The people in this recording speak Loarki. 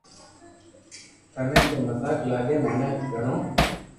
ٿني تو مزاق لاگي مني گھڙو